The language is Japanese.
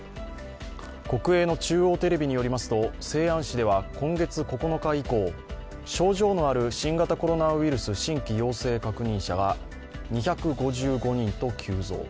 国営の中央テレビによりますと西安市では９日以降、症状のある新型コロナウイルス新規陽性感染者が２５５人と急増。